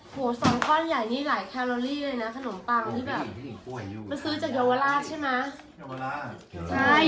โหสองข้อนใหญ่นี่หลายแคลอรี่เลยนะขนมปังที่แบบมาซื้อจากเยาวราชใช่ไหม